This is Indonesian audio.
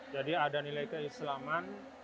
jadi ada nilai keislaman